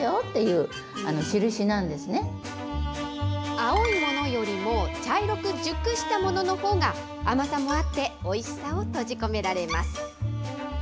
青いものよりも茶色く熟したもののほうが甘さもあっておいしさを閉じ込められます。